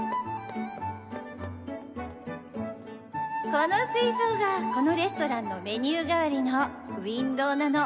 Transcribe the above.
この水槽がこのレストランのメニュー代わりのウィンドーなの。